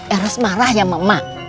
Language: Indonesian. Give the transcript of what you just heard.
eros marah ya sama mak